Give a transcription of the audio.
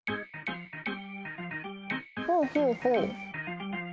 ほうほうほう。